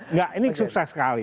nggak ini sukses sekali